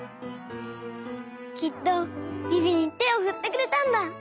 きっとビビにてをふってくれたんだ！